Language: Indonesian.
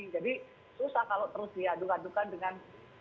jadi susah kalau terus diaduk adukan dengan